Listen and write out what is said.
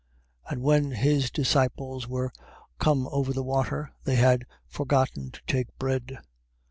16:5. And when his disciples were come over the water, they had forgotten to take bread.